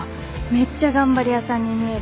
メッチャ頑張り屋さんに見える。